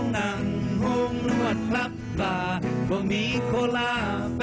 ได้ครับ